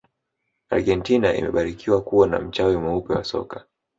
argentina imebarikiwa kuwa na mchawi mweupe wa soka